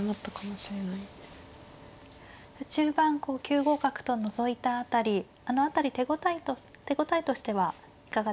中盤こう９五角とのぞいた辺りあの辺りで手応えとしてはいかがでしたか。